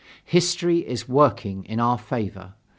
History is working in our favor.